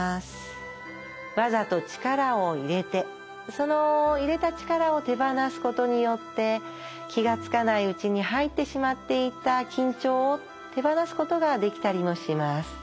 わざと力を入れてその入れた力を手放すことによって気が付かないうちに入ってしまっていた緊張を手放すことができたりもします。